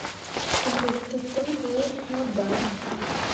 Goluk tǝtǝmmi ɓe ne banne.